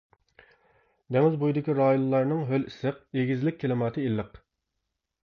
دېڭىز بويىدىكى رايونلارنىڭ ھۆل ئىسسىق، ئېگىزلىك كىلىماتى ئىللىق.